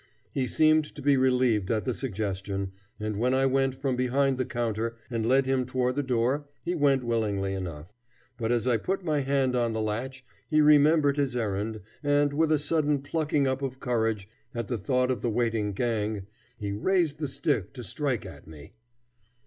He seemed to be relieved at the suggestion, and when I went from behind the counter and led him toward the door, he went willingly enough. But as I put my hand on the latch he remembered his errand, and, with a sudden plucking up of courage at the thought of the waiting gang, he raised the stick to strike at me.